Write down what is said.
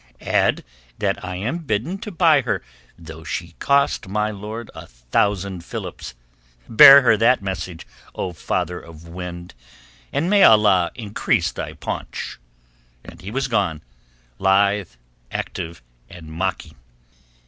Add that I am bidden to buy her though she cost my lord a thousand philips. Bear her that message, O father of wind, and may Allah increase thy paunch!" And he was gone, lithe, active, and mocking.